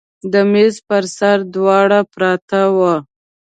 د میز پر سر دوړه پرته وه.